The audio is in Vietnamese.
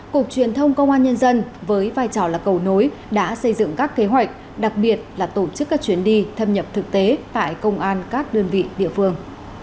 cục truyền thông công an nhân dân với vai trò là cầu nối đã xây dựng các kế hoạch đặc biệt là tổ chức các chuyến đi thâm nhập thực tế tại công an các đơn vị địa phương